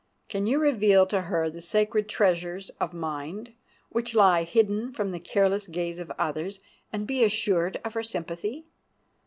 Can you reveal to her the sacred treasures of mind, which lie hidden from the careless gaze of others, and be assured of her sympathy?